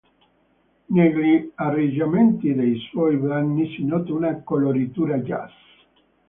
Negli arrangiamenti dei suoi brani si nota una coloritura jazz.